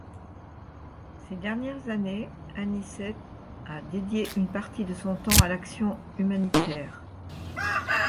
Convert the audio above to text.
Ces dernières années, Anicet a dédié une partie de son temps à l'action humanitaire.